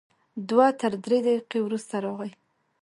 دوه تر درې دقیقې وروسته راغی.